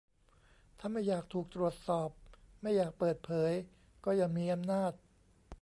ถ้าไม่อยากถูกตรวจสอบ ไม่อยากเปิดเผย ก็อย่ามีอำนาจ